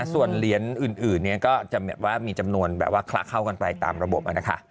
ส่วนเหรียญอื่นเนี่ยก็จะมีจำนวนแบบว่าคลักเข้ากันไปตามระบบนี้นะคะ